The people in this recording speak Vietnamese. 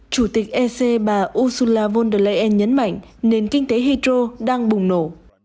chủ tịch ec bà ursula von der leyen nhấn mạnh nền kinh tế hydro đang bùng nổ